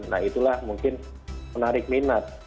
nah itulah mungkin menarik minat